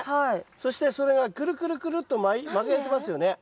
そしてそれがくるくるくるっと巻かれてますよね。